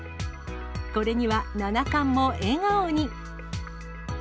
これには、七冠も笑顔に。